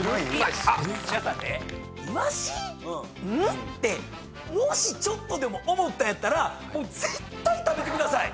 んっ？ってもしちょっとでも思ったんやったら絶対食べてください！